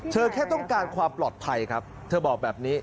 แค่ต้องการความปลอดภัยครับเธอบอกแบบนี้